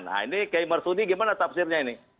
nah ini kayak marsudi gimana tafsirnya ini